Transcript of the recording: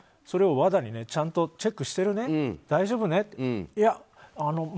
それをＷＡＤＡにちゃんとチェックしてるね大丈夫ねと。